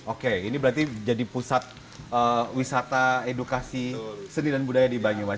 oke ini berarti jadi pusat wisata edukasi seni dan budaya di banyuwangi